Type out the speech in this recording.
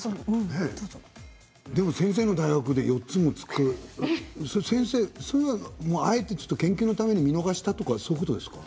でも先生の大学で４つも作ってそれはあえて研究のために見逃したとかそういうことですか？